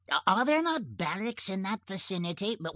—Are there not barracks in that vicinity?